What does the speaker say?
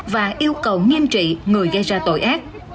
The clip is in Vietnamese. và yêu cầu nghiêm trị người gây ra tội ác